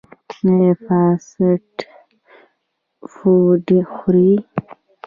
ایا فاسټ فوډ خورئ؟